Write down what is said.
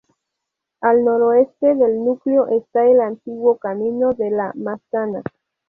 Al noroeste del núcleo está el antiguo camino de La Massana.